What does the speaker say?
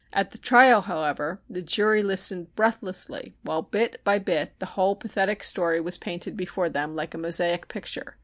At the trial, however, the jury listened breathlessly while bit by bit the whole pathetic story was painted before them, like a mosaic picture.